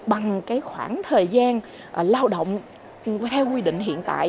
bằng cái khoảng thời gian lao động theo quy định hiện tại